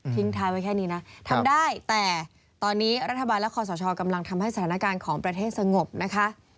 ท้ายไว้แค่นี้นะทำได้แต่ตอนนี้รัฐบาลและคอสชกำลังทำให้สถานการณ์ของประเทศสงบนะคะ